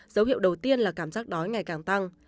dấu hiệu đầu tiên là cảm giác đói ngày càng tăng